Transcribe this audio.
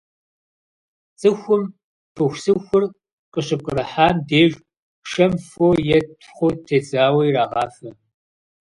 ЦӀыхум пыхусыхур къыщыпкърыхьам деж шэм фо е тхъу тедзауэ ирагъафэ.